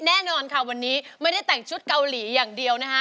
แน่นอนค่ะวันนี้ไม่ได้แต่งชุดเกาหลีอย่างเดียวนะคะ